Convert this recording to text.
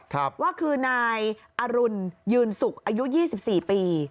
ว่าคือนายอรุณยืนสุกอายุ๒๔ปี